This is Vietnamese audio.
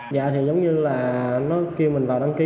dạ thì giống như là nó kêu mình vào đăng ký